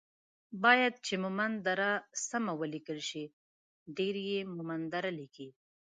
بايد چې مومند دره سمه وليکل شي ،ډير يي مومندره ليکي